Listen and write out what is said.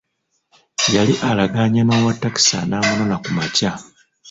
Yali alagaanye n'owatakisi an'amunona ku makya.